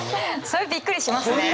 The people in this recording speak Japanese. それびっくりしますね。